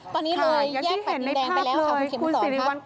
ตอนนี้เลยแยกปัจจุดแดงไปแล้วค่ะคุณเข็มสอน